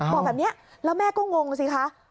บอกแบบนี้แล้วแม่ก็งงสิคะ